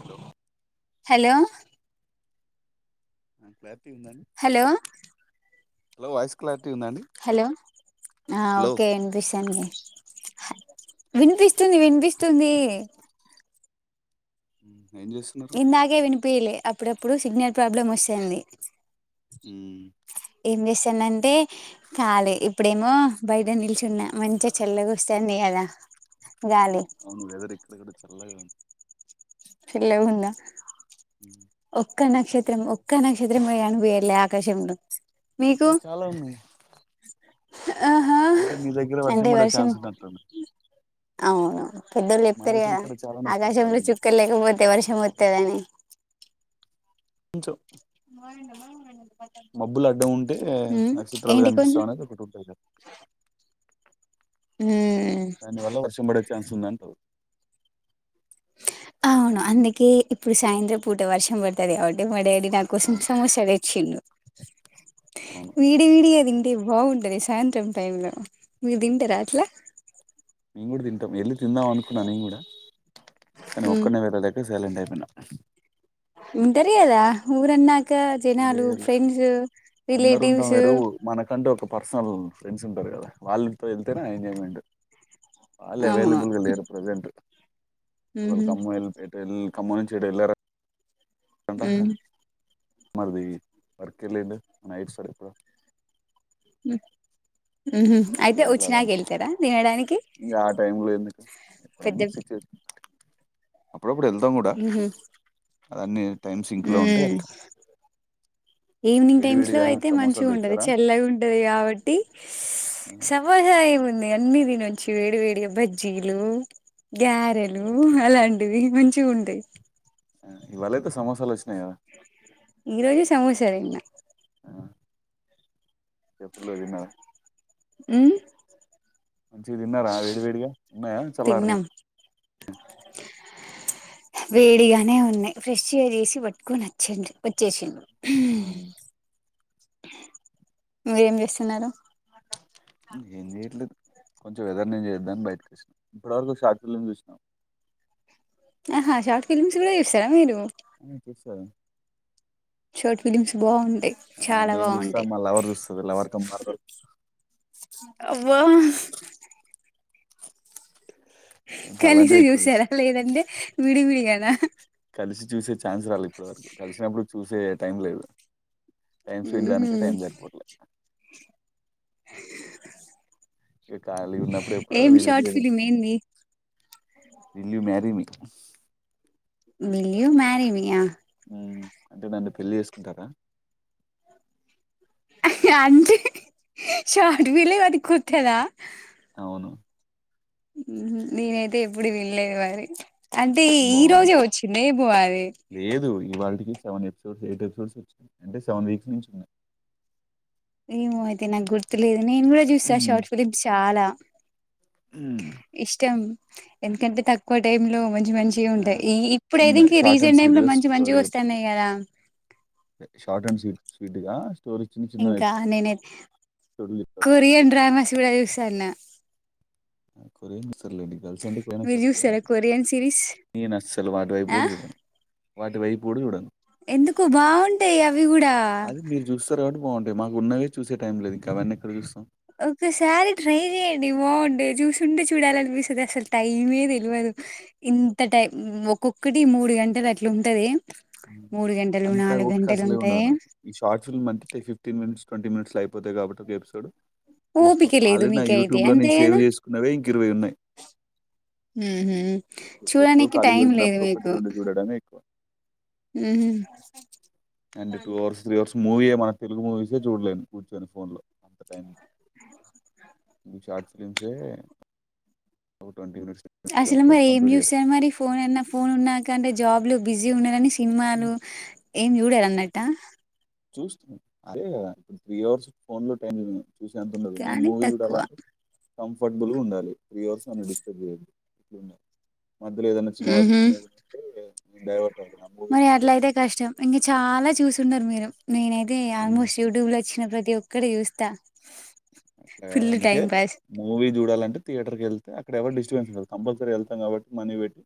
Hello hello అ [inaudible] hello hello voice క్లా hello ఆ okay వినిపిస్తుంది వినిపిస్తుంది వినిపిస్తుంది [inaudible] ఇందాకే వినిపియలే అప్పుడప్పుడు సిగ్నేెల్ ప్రాబ్లం వస్తుంది ఏం జేసానంటే కాలీ ఇప్పుడేమో బయట నిల్చున్న మంచిగా చల్లగ వస్తుంది గదా అవును వెదర్ ఇక్కడ గూడా చల్లగా ఉంది చల్లగుందా ఉమ్ ఒక్క నక్షత్రం ఒక్క నక్షత్రం గూడ గనిపియ్యట్లే ఆకాశంలో మీకు ఇక్కడ చాలా ఉన్నాయి ఆహా అయితే మీ దగ్గర వర్షం పడే చాన్స్ ఉన్నదంటావు అవునవును పెద్దోళ్ళు చెప్తారు దగ్గర గదా ఇక్కడ చాలా నక్షత్రాలు ఆకాశంలో ఉన్నాయి చుక్కలు లేకపోతే వర్షం వ వత్తదని కొంచెం [unintelligible] మబ్బులు అడ్డం ఉంటే ఉమ్, నక్షత్రాలు ఏంటి కొంచెం కనిపిస్తామనేది ఒకటి ఉంటుంది కా ఉమ్, దాని వల్ల వర్షం పడే ఛాన్స్ ఉందటరు అవును అందుకే ఇప్పుడు సాయంత్రం పూట వర్షం పడుతుది కాబటి మా డాడీ న కోసం అవును సమోస తెచ్చిండు అవును వీడి వీడి యే దిం టే బాగుంటది సాయంత్రం టైం లో మీరు దింటరా అట్లా మేము కూడా తింటాం వెళ్ళి తిందాం అనుకున్నా నే కూడా కానీ హ్మ్ ఒక్కడనే వేళ్లలేక సైలెంట్ అయిన ఉంటరు గదా ఊరన్నాక్ కా జనాలు లేదు ఫ్రెండ్స్ అందరు ఉంటాం రిలేటివ్స్ వేరు మనకంటే ఒక పర్సనల్ ఫ్రెండ్స్ ఉంటారు కదా వాళ్ళతో వెళ్తేనే ఎంజాయ్మెంట్ వాళ్ళ అవును. అవైలబుల్గా లేరు ప్రెసెంట్ ఒక హుహు. కమ్మాయిల్ ఇప్పుడు ఎటల్ కమ్మన్ సైడెల్లారా ఉమ్ మరిది వర్క్ ఎల్లిండు నైట్ సరిగా ఉ ఉహు అయితే కూడా వచ్చినాక వెళ్ళాలంటే వెళ్తారా తినడానికి పెద్ద ఎప్పుడన్న సిక్ అయి అప్పుడప్పుడు వెళ్తాం కూడా హుహు. అదన్నీ టైమ్ సింక్ లో ఉంటే హ్మ్. వెళ్తాం ఈవినింగ్ వేడి టైమ్స్ లో వేడిగా అయితే సమోసాలు మంచిగా ఉంటది తెచ్చారా చల్లగా ఉంటది కాబట్టి సమోస ఏముంది అన్నిదినొచ్చు వేడి వేడి బజ్జీలు గారెలు అలాంటివి మంచిగ ఉంటాయి ఇవాళయితే సమోసాలు వచ్చినాయి కదా ఈ రోజు సమోసతిన్న ఎప్పులదిన్న [inaudible] ఉ మ్ మంచిది తిన్నారా వేడి వేడిగా ఉన్నాయా చల్లారినయా తిన్నాం వేడిగానే ఉన్నాయి ఫ్రెష్ గా చేసి పట్టుకొని వచ్చిండు వచ్చేసిండు ఊ మీరేం చేస్తున్నారు ఏం చేయట్లేదు కొంచెం వెదర్నెంజాయ్ చేద్దాం అని బయటకు వచ్చిన ఇప్పటివరకు షార్ట్ ఫిల్మ్ చూసిన ఆహా షార్ట్ ఫిలిమ్స్ కూడా చూస్తరా మీరు అ చూస్తా షర్ట్ ఫిలిమ్స్ బాగుంటాయి ఆ! చాలా నేను చూస్తా. బాగుంటాయి మా లవర్ చూస్తది. లవర్ కమ్ మరదలు. అబ్బా ఇంకా కలిసి అలాంటివి ఎక్కువ చూస్తా. చూసారా లేదంటే విడి విడిగానా కలిసి చూసే ఛాన్స్ రాలి ఇప్పటి వరకు కలిసినప్పుడు చూసే టైం లేదు టైం ఉహు సెడ్చేయడానికే టైం సర్పోవట్లే ఖాళీ ఉన్నప్పుడు ఎప్పుడో ఏం షార్ట్ విలుంటే ఫిలిం ఏంది will you marry me will you మారిమియా అంటే నన్ను పెళ్లి చేసుకుంటారా అంటే షార్ట్ ఫిలిం అది కొత్తదా అవును. నేనైతే ఎప్పుడు వినలేదు వరి అంటే ఈ బావుంది. రోజే వచ్చింద ఏమో అది సెవెన్ ఎపిసోడ్స్ ఎయిట్ ఎపిసోడ్స్ వచ్చాయి అంటే సెవెన్ వీక్స్ నుంచి ఉన్నాయి ఏమో అయితే నాకు గుర్తు ర్తులేదు నేను కూడా చూస్తా మ్మ్. షార్ట్ ఫిలిమ్ చాలా మ్మ్. ఇష్టం ఎందుకంటే తక్కువ టైం లో మంచి మంచిగా ఆ! ఉంటాయి ఈ ఇప్పుడయితే చిన్న ఇంక షార్ట్ అండ్ రీసెంట్ టైమ్ లో స్వీట్‌గా మంచి స్టోరీ చెప్తారు. మంచిగొస్తున్నాయి కదా షార్ట్ అండ్ స్వీట్ స్వీట్ గా ఇంకా నేనై ఎపిసోడ్లు చెప్తారు. కొరియన్ డ్రామాస్ కూడా చూస్తన్న కొరైన్ ముసర్లేండి గల్స్ అండి ఎప్పుడైనా మీరు ఫస్ట్ ఎ ఇగ చూస్తారా కొరియన్ సిరీస్ నేను అస్సలు వాటు వైపు ఆ కూడా చూడను వాటి వైపు కూడా చూడను ఎందుకు బాగుంటాయి అవి కూడా అది మీరు చూస్తారు కాబట్టి అంటే మానాకు ఉన్నవే చూసే టైం లేదు, ఇంకా అవన్నీ ఎక్కడ చూస్తాం ఒక్కసారి ట్రై చెయండి బాగుంటె చూస్తుంటే చూడాలనిపిస్తది అసలు టైమే తెల్వదు ఇంత టై ము ఒక్కొక్కటి మూడు గంటలు అట్లా ఉంటది మూడు గంటలు అంతా నాలుగు ఓపిక గంటలు అసలే ఉండదు ఉంటాయి నాక్ ఈ షార్ట్ ఫిలిమ్ అంటే ఫిఫ్టీన్ మినిట్స్ ట్వెంటీ మినిట్స్లో అయిపోతాయి కాబట్టి ఒక ఎపిసోడ్ చూస్తాం ఓపిక లేదు ఆల్రెడీ నా మీకైతే యూట్యూబ్‌లో అంతే నేను సేవ్ కదా చేసుకున్నవే ఇంకా ఇరవై ఉన్నాయి ఉహు ఎప్పుడో చూడనికి ఖాళీ టైం దొరికినప్పుడు ఒకటి రెండు చూడడమే ఎక్కువ మ్మ్ and two hours three hours movie ఏమో తెలుగు మూవీసే చూడలేం కూర్చొని ఫోన్ లో అంత టైం ఇ షార్ట్ ఫిలిమ్సే ఒక ట్వంటీ మినిట్స్ అసలు మరి కాబట్టి ఏం కంప్లీట్ చూస్తారు చేస్తాను మరి ఫోన్ అన్న ఫోన్ ఉన్నాకంటే జాబ్లు బిజీ ఉన్నన్నేసి సినిమాలు ఏం చూడారా అన్నట్ట చూస్తున్నాం అదే కదా ఇప్పుడు త్రీ అవర్స్ ఫోన్ లో టైం చూసే ఎంత ఉండదు నేను కానీ మూవీ తక్కువ చూడాలంటే కంఫర్టబుల్ ఉండాలి త్రీ అవర్స్ నన్ను డిస్టర్బ్ చేయవద్దు మధ్యలో ఏదన్నా చిన్న వర్క్ ఉహు ఉంది అంటే నేను డైవర్ట్ అవుతాను ఆ మూవీ మరి చెప్తుంది అట్లయితే కష్టం ఇంకా చాలా చూసుండరు మీరు నేనైతే ఆల్మోస్ట్ యూట్యూబ్ లోయ్ వచ్చిన ప్రతి ఒక్కటి చూస్తా అట్లా కాదు ఫుల్ అందుకే టైం పాస్ మూవీ చూడాలంటే థియేటర్ కేల్ అక్కడ ఎవరు డిస్టర్బెన్స్ ఉండదు కంపల్సరీ వెళ్తాం కాబట్టి మనీ పెట్టీ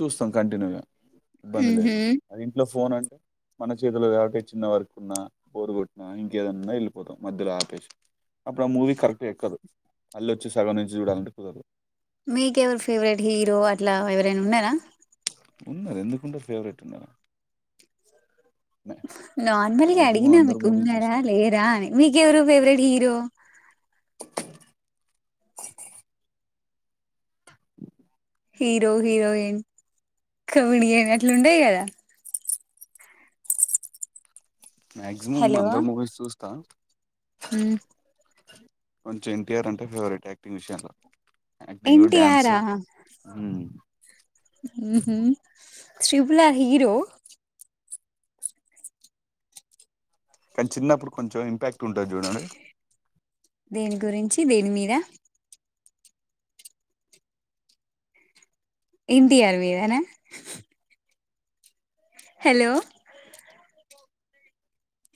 చూస్తాం కంటిన్యూగా ఇబ్బంది లేదు ఉహు అది ఇంట్లో ఫోన్ అం మన చేతిలో కాబటి చిన్న వరకు ఉన్నా బోర్ కొట్టిన ఇంకేదన్నా వెళ్ళిపోతం మధ్యలో ఆపేస్ అప్పుడు ఆ మూవీ కరెక్ట్గా ఎక్కదు మళ్ళీ వచ్చీ సగం నుంచి చూడాలంటే కుదరదు మీకెవరు ఫేవరెట్ హీరో అట్లా ఎవరైనా ఉన్నారా ఉన్నారు ఎందుకు ఉండరు ఫేవరెట్ ఉన్నరు నార్మల్‌గా అడిగినా, మీకు మూవీస్ ఉన్నారా చూస్తా లేరా అని మీకె వరు favourite hero hero heroine comedian అట్ల ఉంటాయి కదా మాక్సిమం హలో అందరు మూవీస్ చూస్తా కొంచె ఎన్టీఆర్ అంటే ఫేవరెట్ యాక్టింగ్ విషయంలో యాక్టింగ్ డ్యాన్సు ఎన్టీఆరా హ్మ్ మ్మ్ హ్మ్ ట్రిపులర్ హీరో కానీ చిన్నప్పుడు కొంచం ఇంపాక్ట్ ఉంటుంది చూడండి దేని గురించి దేని మీద ఎన్టీఆర్ మీదనా hello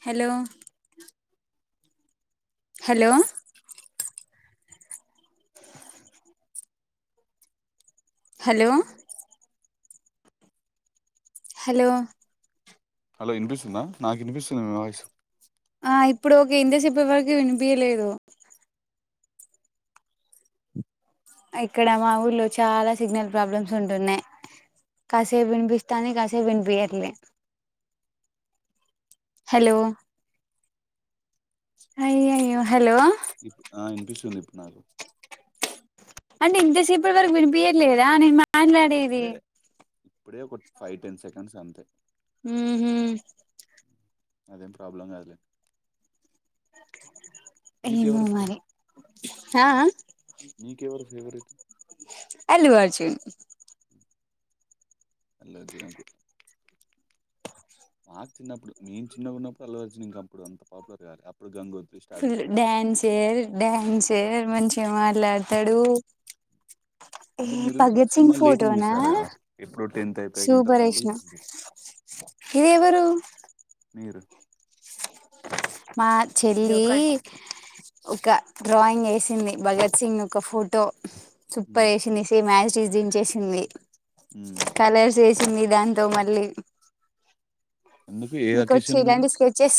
hello hello hello hello వినిపిస్తుందా నాకు వినిపిస్తుంది మీ వాయిస్ ఆ ఇప్పుడు ఓకే ఇంతసేపు ఎవరీకు వినిపియలేదు ఇక్కడ మా ఊర్లో చాలా సిగ్నల్ ప్రాబ్లమ్స్ ఉంటున్నాయ్ కాసేపు వినిపిస్తాంది, కాసేపు వినిపియ్యట్లే హలో అయ్యయ్యో హలో ఇప్పు ఆ అనిపిస్తుంది ఇప్పుడ్ నాకు అంటే ఇంతసేపటి వరకు వినిపియ్యట్లేదా నేను మాట్లాడేది ఇప్పుడే ఇప్పుడే ఒక ఫైవ్ టెన్ సేకన్స్ అంతే ఊహూ అదేం ప్రాబ్లం కాదులే ఏమో నీకెవరు మరి ఆ ఆ మీకెవరు ఫేవరెట్ అల్లు అర్జున్ ఎలర్జీ లాంటి మాకు చిన్నప్పుడు మేము చిన్నగున్నప్పుడు అల్లు అర్జున్ ఇంక అప్పుడు అంత పాపులర్ కాలే అప్పుడు గంగో ఫుల్ డ్యాన్సే డ్యాన్సే మంచిగా మాట్లాడతడు ఏ అంటే మీరు భగత్ సింగ్ సినిమాలు లేట్గా ఫోటోనా చూసారు కదా ఎప్పుడు టెన్త్ అయిపోయాక ఇంటర్ సూపర్ టైంలో ఏసిన చూసారు ఇదెవరు మీరు మా చెల్లి ఒక డ్రాయింగ్ వేసింది, భగత్ సింగ్ ఒక ఫోటో సూపర్ మ్మ్. వేసింది, సేమ్ అసిటిస్ దించేసింది మ్మ్. కలర్స్ వేస్ చింది దాంతో మళ్ళీ ఎందుకు ఏ మీకోచ్చా అకేషన్ మీద ఇలాంటి స్కెచెస్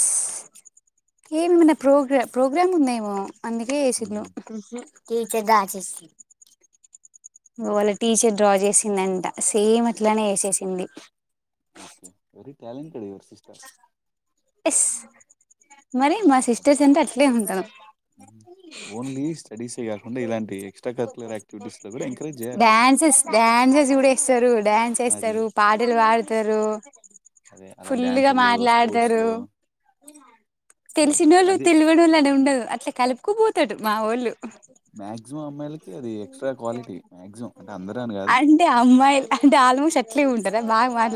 ఏమన్నా ప్రోగ్రా ప్రోగ్రామ్ ఉందేమో అందుకే వేసింది మ్మ్. టీచర్ డ్రా చేసిం వాళ్ల ఓకే టీచర్ డ్రా చేసి దంట సేమ్ అట్లనే ఏసేసింది okay very talented your sister yes మరి మా సిస్టర్స్ అంటే అట్లే ఉంటాం తే కాకుండా ఇలాంటి కరికులర్ యాక్టివిటీస్లో కూడా ఎంకరేజ్ చేయాలి డ్యాన్సెస్ డ్యాన్సెస్ కూడా ఎస్తారు డ్యాన్స్ అది ఎస్తారు, పాటలు పాడతారు అదే అలా ఫుల్లుగా డ్యాన్సుల్లో మాట్లాడతారు స్పోర్ట్స్లో తెలిసినోళ్ళు అది తేల్వనోళ్లు అనీ ఉండదు అట్లా కలుపకపోతాడు మా ఓళ్ళు మాక్సిమం అమ్మాయిల్ అది ఎక్స్ట్రా క్వాలిటీ మ్యాక్సిమం అంటే అందరని కాదు చట్లీ ఉం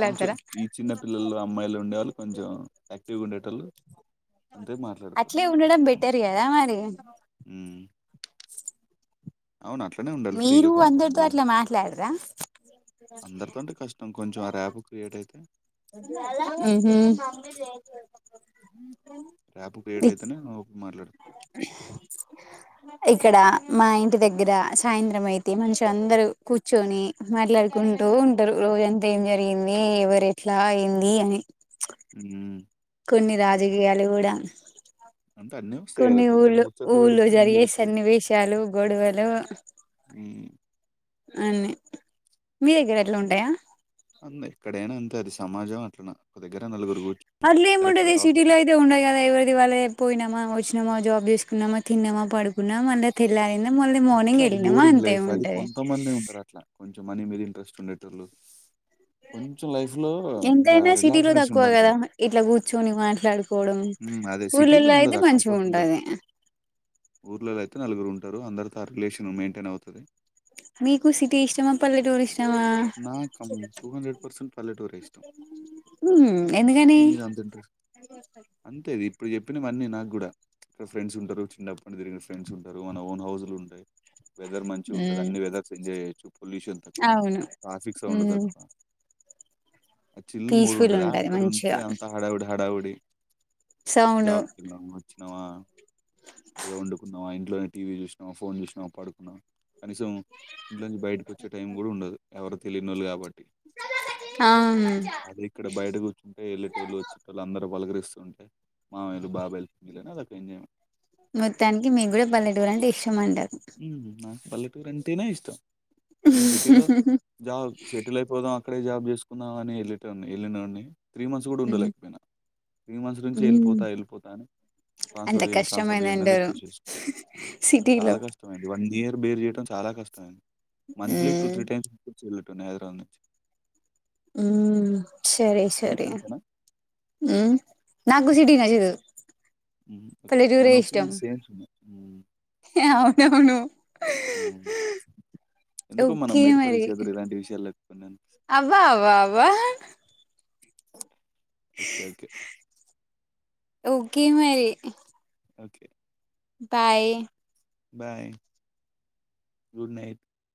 కొంచెం ఈ చిన్న పిల్లలు అమ్మాయిలు ఉండేవాళ్ళు కొంచెం యాక్టివ్గా ఉండేటోళ్ళు అంతే అట్లే ఉండడం మాట్లాడతారు బెటర్ గదా మరి హ్మ్. అవును. అట్లనే ఉండాలి ఫ్రీగా, మీరు అందరితో అట్లా మాట్లాడరా అందరితోంటి కష్టం కొంచెం ఆ ర్యాప్ క్రియేట్ అయితే ఉహూ రాపో క్రియేట్ అయితేనే అ మాట్లాడతా ఇక్కడ మా ఇంటి దగ్గర సాయంత్రం అయితే మంచిగా అందరూ కూర్చొని మాట్లాడుకుంటూ ఉంటారు రోజంతా ఏం జరిగింది, ఎవరు ఎట్లా ఏంది అని ఉహూ కొన్ని రాజకీయాలు కూడా అంటే అన్నీ వస్తాయి గదా! కొన్ని కూర్చొని ఊళ్ళు ముచ్చట్లు ఊళ్ళో పెడితే అన్ని జరిగే సన్నివేశాలు, గొడవలు ఉమ్ అన్ని, మీ దగ్గర అట్లా ఉంటాయ అంద్ ఎక్కడైనా అంతే అది సమాజమే అట్లనా అట్లే ఏముంటది టాపిక్స్ సిటీలో అయితే ఉండదు కదా ఎవరిది వాళ్ళదే పోయినమా వచ్చి ఉన్నమా, జాబ్ చేసుకున్నమా, తిన్నమా పడుకున్నమా, మళ్ళా తెల్లారి అట్లా అది బోరింగ్ లైఫ్ అది కొంతమందె ఉంటరు అట్లా కొంచెం. మనీ మీద ఇంట్రెస్ట్ ఉండేటోళ్లు ఆ ఎంతైనా సిటీలో రిలాక్స్‌నెస్ తక్కువ ఉండాలి కదా గదా! ఇట్లా కూర్చొని మాట్లాడుకోవడం. హ్మ్. అదే సిటీలో ఊర్లల్లో అయితే మంచిగాఉంటది. ఊర్లలయితే నలుగురు ఉంటరు, అందరితో ఆ రిలేషన్ మేన్టెన్ అవుతది. మీకు సిటీ ఇష్టమా? పల్లెటూరు ఇష్టమా? నాకం పల్లెటూరే ఇష్టం. ఉమ్ ఎందుకని సిటీ మీద అంత ఇంట్రెస్ట్ అంతే ఇది ఇప్పుడు చెప్పినవన్నీ నాకు కూడా. ఇక్కడ ఫ్రెండ్స్ ఉంటరు, చిన్నప్పనుంచి తిరిగిన ఫ్రెండ్స్ ఉంటరు. మన ఓన్ హౌజ్ లు ఉంటయి. వెదర్ మంచిగా ఉంటది. అన్ని వెదర్స్ ఎంజాయ్ చేయొచ్చు పొల్యూషన్ తక్కువా. అవును ట్రాఫిక్ సౌండ్లు ఉమ్ తక్కువా. చిల్ మూడు పీస్ఫుల్ ఉంటది. అక్కడ ఉంటే మంచిగా అంత హడావుడి హడావుడి సౌండ్ జాబ్కి వెళ్ళినామా వచ్చినమా ఎదో వండుకున్నావా, ఇంట్లోనే టీవీ చూశినవా ఫోన్ చూసినావా పడుకున్నవా. కనీసం ఇంట్లో నుంచి బయటకు వచ్చే టైం కూడా ఉండదు ఎవరు తెలియనోళ్ళు కాబ ట్టి, ఆ అదే ఇక్కడ బయట కూర్చుంటే ఎల్లెటోళ్ళు వచ్చేటోళ్ళు అందరు పలకరి స్తుంటే మామయ్యలు బాబాయిలు పిన్నిలని అదొక ఎంజాయ్మెంట్. మొత్తానికి మీకు కూడా పల్లెటూరు అంటే ఇష్టం అంటరు. హ్మ్ నాకు పల్లెటూరు అంటేనే ఇష్టం. నేను సిటీలో జాబ్ సెటీల్ అయిపోదాం అక్కడే జాబ్ చేసుకుందాం అని వెళ్ళేటోన్ని వెళ్ళినోన్ని త్రీ మంత్స్ కూడా ఉమ్ ఉండలేకపోయినా. త్రీ మంత్స్ నుంచే హ్మ్ ఎళ్ళిపోతా ఎళ్ళిపోతా అని అంత ట్రాన్స్ఫర్ చేయండి ట్రాన్స్ఫర్ చేయండి అని కష్టమైందంటరు సిటీలో. నాకు వన్ ఇయర్ బేర్ చేయడం చాలా కష్టమైంది. Monthly two hmm three times వచ్చి వెళ్ళె టోన్ని హైదరాబాదు నుంచి. ఉమ్. హ్మ్ సరే సరే. మీకంతేనా హ్మ్ నాకు సిటీ నచ్చదు. హ్ ఓకే మన పల్లెటూరే ఇష్టం ఒపీనియన్ సేమ్స్ ఉన్నయి. హ్ అవునవును. ఎందుకో మనం మేడ్ ఫర్ ఇచ్ అదర్ ఇలాంటి విషయాల్లో ఎక్కువ అబ్బా అబ్బా అబ్బా ఓకే ఓకే ఒకే మరి. Okay bye bye good night.